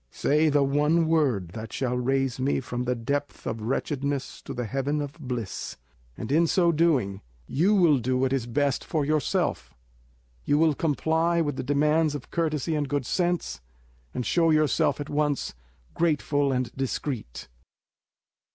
Say the one word that shall raise me from the depth of wretchedness to the heaven of bliss, and in so doing, you will do what is best for yourself; you will comply with the demands of courtesy and good sense, and show yourself at once grateful and discreet."